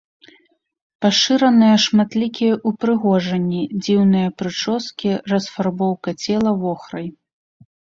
Пашыраныя шматлікія ўпрыгожанні, дзіўныя прычоскі, расфарбоўка цела вохрай.